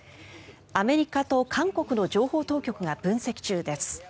アメリカと韓国の情報当局が分析中です。